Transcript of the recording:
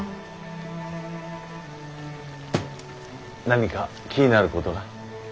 何か気になることが？